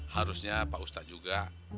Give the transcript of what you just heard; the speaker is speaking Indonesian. harusnya pak ustadz juga